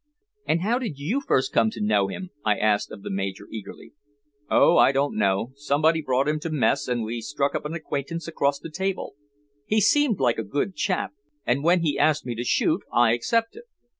"And how did you first come to know him?" I asked of the Major eagerly. "Oh, I don't know. Somebody brought him to mess, and we struck up an acquaintance across the table. He seemed a good chap, and when he asked me to shoot I accepted.